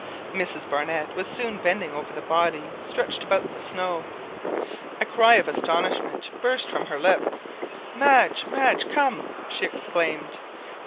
Mrs Barnett was soon bending over the body stretched about the snow. A cry of astonishment burst from her lips: "Madge, Madge, come!" she exclaimed.